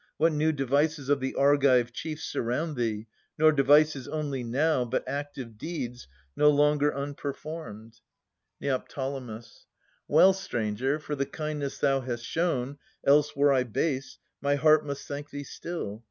What new devices of the Argive chiefs Surround thee; nor devices only now, But active deeds, no longer unperformed. Ned. Well, stranger, for the kindness thou hast shown, — Else were I base, — my heart must thank thee still.